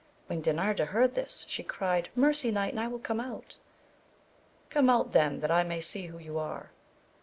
When Dinarda heard this, she cried, mercy knight and I will come out !— Come out then that I may see who you are.